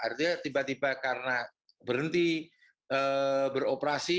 artinya tiba tiba karena berhenti beroperasi